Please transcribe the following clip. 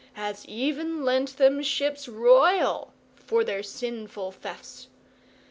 has even lent them ships royal for their sinful thefts.